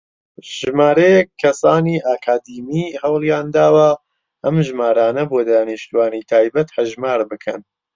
ژمارەیەک کەسانی ئەکادیمی هەوڵیانداوە ئەم ژمارانە بۆ دانیشتووانی تایبەت هەژمار بکەن.